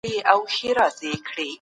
د خلګو د مالونو ساتنه فرض ده.